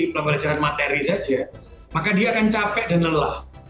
pembelajaran materi saja maka dia akan capek dan lelah